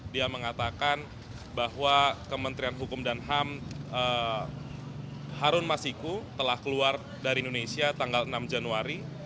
dia mengatakan bahwa kementerian hukum dan ham harun masiku telah keluar dari indonesia tanggal enam januari